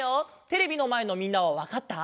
テレビのまえのみんなはわかった？